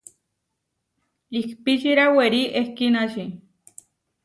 Ihpíčira werí ehkínači.